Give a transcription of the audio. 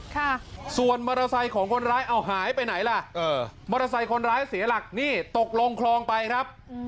ค่ะส่วนมอเตอร์ไซค์ของคนร้ายเอาหายไปไหนล่ะเออมอเตอร์ไซค์คนร้ายเสียหลักนี่ตกลงคลองไปครับอืม